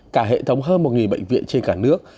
cả hệ thống hơn một bệnh viện trên cả nước